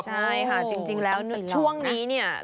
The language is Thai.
ใช่ค่ะจริงแล้วช่วงนี้เนี่ย